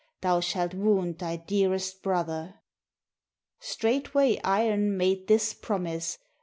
Thou shalt wound thy dearest brother." Straightway Iron made this promise.